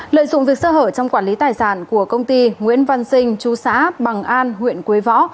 lợi dụng việc sơ hở trong quản lý tài sản của công ty nguyễn văn sinh chú xã bằng an huyện quế võ